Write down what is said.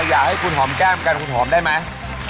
อยากให้คุณหอมแก้มกันคุณหอมได้ไหม